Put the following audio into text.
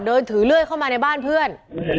เดินถือเลื่อยเข้ามาในบ้านเพื่อน